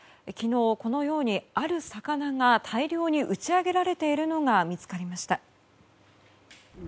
昨日、このようにある魚が大量に打ち上げられているのが見つかりました。